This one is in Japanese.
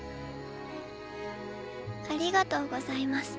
ありがとうございます。